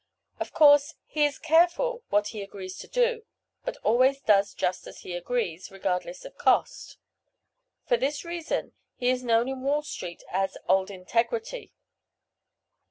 Of course, he is careful what he agrees to do, but always does just as he agrees, regardless of cost. For this reason he is known in Wall street as "Old Integrity."